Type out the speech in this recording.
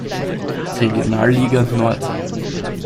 Regionalliga Nord.